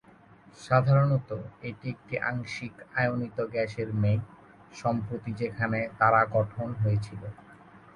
সাধারণত, এটি একটি আংশিক আয়নিত গ্যাসের মেঘ, সম্প্রতি যেখানে তারা গঠন হয়েছিল।